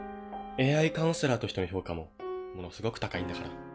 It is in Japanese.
ＡＩカウンセラーとしての評価もものすごく高いんだから。